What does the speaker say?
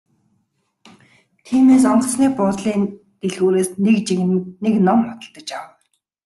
Тиймээс онгоцны буудлын дэлгүүрээс нэг жигнэмэг нэг ном худалдаж авав.